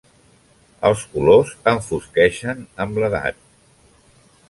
Els colors enfosqueixen amb l'edat.